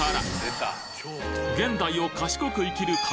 現代を賢く生きる会